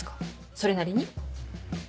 それなりに。